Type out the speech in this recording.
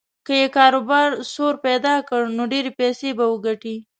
که یې کاروبار سور پیدا کړ نو ډېرې پیسې به وګټي.